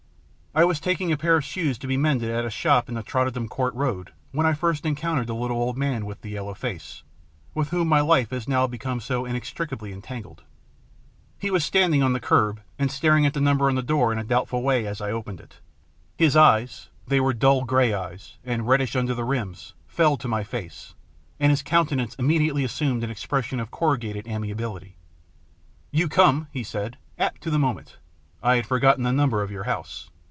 I was taking a pair of shoes to be mended at a shop in the Tottenham Court Road when I first encountered the little old man with the yellow face, with whom my life has now become so inextricably entangled. He was standing on the kerb, and star ing at the number on the door in a doubtful way, as I opened it. His eyes they were dull grey eyes, and reddish under the rims fell to my face, and his countenance immediately assumed an expression of corrugated amiability. " You come," he said, " apt to the moment. I had forgotten the number of your house.